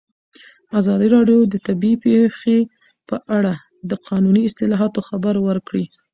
ازادي راډیو د طبیعي پېښې په اړه د قانوني اصلاحاتو خبر ورکړی.